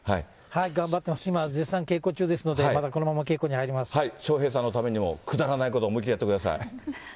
頑張って、今、絶賛稽古中ですの笑瓶さんのためにも、くだらないことを思いっきりやってください。